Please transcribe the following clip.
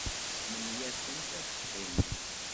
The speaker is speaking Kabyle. Smenyafent ad qqiment.